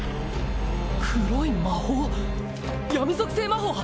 黒い魔法闇属性魔法！